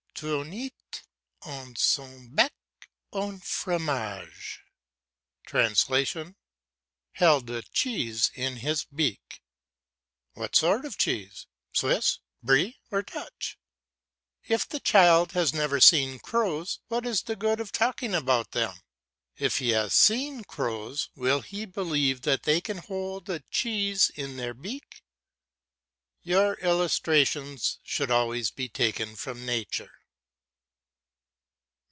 "Tenait dans son bec un fromage" (Held a cheese in his beak) What sort of a cheese? Swiss, Brie, or Dutch? If the child has never seen crows, what is the good of talking about them? If he has seen crows will he believe that they can hold a cheese in their beak? Your illustrations should always be taken from nature.